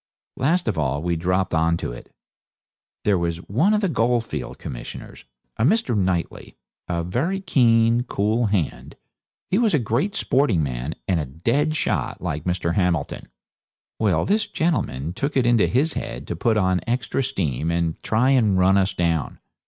Last of all we dropped on to it. There was one of the goldfields commissioners, a Mr. Knightley, a very keen, cool hand; he was a great sporting man, and a dead shot, like Mr. Hamilton. Well, this gentleman took it into his head to put on extra steam and try and run us down.